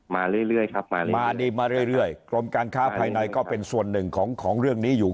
มาเรื่อยครับมาเลยมาดีมาเรื่อยกรมการค้าภายในก็เป็นส่วนหนึ่งของเรื่องนี้อยู่